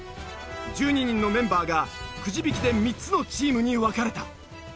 １２人のメンバーがくじ引きで３つのチームに分かれた。